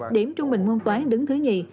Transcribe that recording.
điểm trung bình môn toán đứng thứ hai